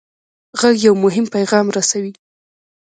غږ یو مهم پیغام رسوي.